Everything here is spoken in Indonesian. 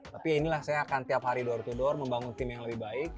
tapi inilah saya akan tiap hari door to door membangun tim yang lebih baik